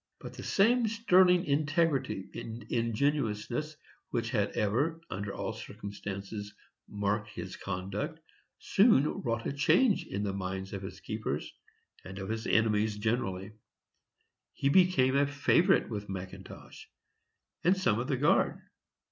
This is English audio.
But the same sterling integrity and ingenuousness which had ever, under all circumstances, marked his conduct, soon wrought a change in the minds of his keepers, and of his enemies generally. He became a favorite with McIntosh, and some of the guard.